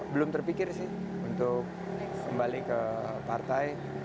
belum terpikir sih untuk kembali ke partai